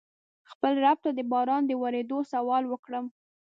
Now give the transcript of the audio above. خپل رب ته د باران د ورېدو سوال وکړم.